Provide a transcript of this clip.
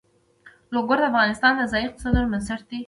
لوگر د افغانستان د ځایي اقتصادونو بنسټ دی.